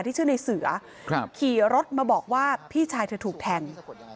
ชื่อในเสือขี่รถมาบอกว่าพี่ชายเธอถูกแทง